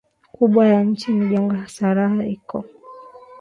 kubwa ya nchi ni jangwa Sahara iko